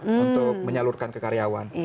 untuk menyalurkan ke karyawan